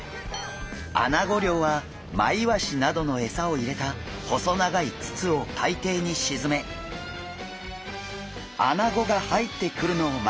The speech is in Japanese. アナゴ漁はマイワシなどのエサを入れた細長い筒を海底に沈めアナゴが入ってくるのを待つ漁法。